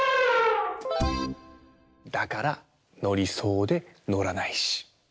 だからのりそうでのらないし。